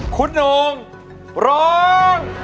คุณองค์ร้อง